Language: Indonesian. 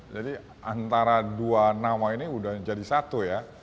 jadi antara dua nama ini udah jadi satu ya